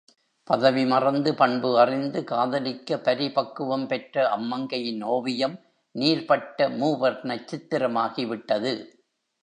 பதவி மறந்து, பண்பு அறிந்து காதலிக்க பரிபக்குவம் பெற்ற அம்மங்கையின் ஓவியம் நீர்பட்ட மூவர்ணச் சித்திரமாகிவிட்டது.